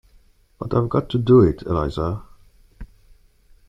But I’ve got to do it, Eliza.